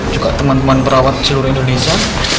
juga teman teman perawat seluruh indonesia